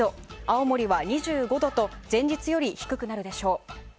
青森は２５度と前日より低くなるでしょう。